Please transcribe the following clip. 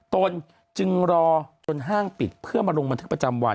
ตนจึงรอจนห้างปิดเพื่อมาลงบันทึกประจำวัน